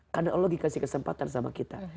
karena allah dikasih kesempatan sama kita